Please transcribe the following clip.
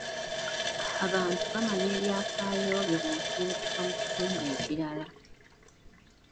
Abantu bamanya ebyafaayo byo bw'osindikibwa mu kitundu ekirala.